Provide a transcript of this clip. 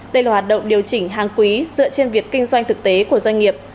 đây là hoạt động điều chỉnh hàng quý dựa trên việc kinh doanh thực tế của doanh nghiệp